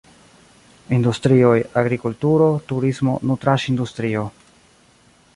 Industrioj: agrikulturo, turismo, nutraĵ-industrio.